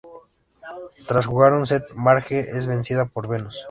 Tras jugar un set, Marge es vencida por Venus.